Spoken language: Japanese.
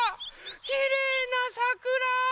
きれいなさくら！